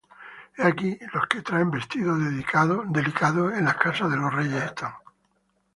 He aquí, los que traen vestidos delicados, en las casas de los reyes están.